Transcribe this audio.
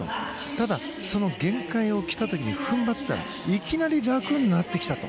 ただ、その限界を来た時に踏ん張ったらいきなり楽になってきたと。